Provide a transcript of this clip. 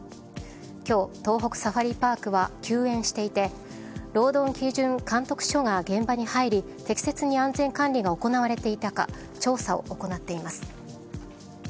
今日、東北サファリパークは休園していて労働基準監督署が現場に入り適切に安全管理が行われていたか調査を行っています。